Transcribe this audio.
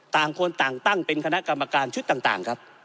ต่างคนต่างตั้งเป็นคณะกรรมการชุดต่างครับ